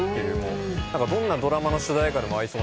どんなドラマの主題歌でも合いそう。